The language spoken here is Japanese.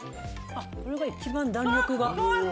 これ一番、弾力が！